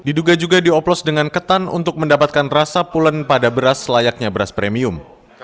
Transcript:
diduga juga dioplos dengan ketan untuk mendapatkan rasa pulen pada beras layaknya beras premium